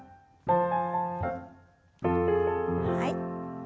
はい。